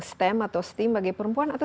stem atau steam bagi perempuan atau